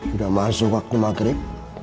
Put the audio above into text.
udah masuk waktu maghrib